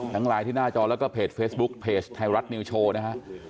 ไลน์ที่หน้าจอแล้วก็เพจเฟซบุ๊คเพจไทยรัฐนิวโชว์นะฮะ